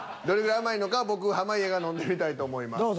どれぐらい甘いのか僕濱家が飲んでみたいと思います。